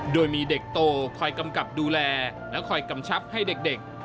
โดยมีเด็กโตคอยกำกับดูแลและคอยกำชับให้เด็ก